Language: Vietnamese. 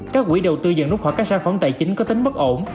các quỹ đầu tư dần rút khỏi các sản phẩm tài chính có tính bất ổn